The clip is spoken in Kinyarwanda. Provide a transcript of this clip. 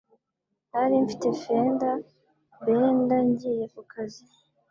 Nari mfite fender bender ngiye kukazi.